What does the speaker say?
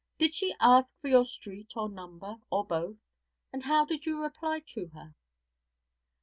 'Did she ask for your street or number, or both? and how did you reply to her?'